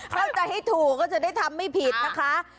เข้าใจให้ถูกก็จะได้ทำไม่ผิดนะคะ